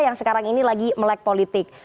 yang sekarang ini lagi melek politik